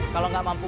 kalau nggak mampu